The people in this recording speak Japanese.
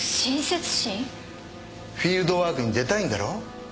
フィールドワークに出たいんだろ？